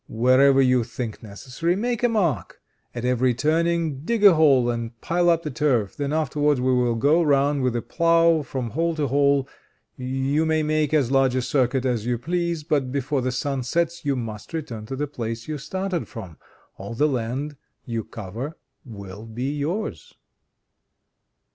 Wherever you think necessary, make a mark. At every turning, dig a hole and pile up the turf; then afterwards we will go round with a plough from hole to hole. You may make as large a circuit as you please, but before the sun sets you must return to the place you started from. All the land you cover will be yours."